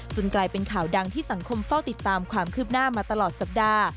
กลายเป็นข่าวดังที่สังคมเฝ้าติดตามความคืบหน้ามาตลอดสัปดาห์